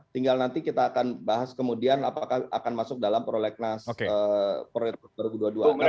tinggal nanti kita akan bahas kemudian apakah akan masuk dalam prolegnas prioritas dua ribu dua puluh dua